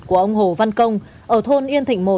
của ông hồ văn công ở thôn yên thịnh một